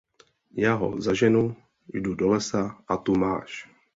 Já ho zaženu, jdu do lesa, a tumáš!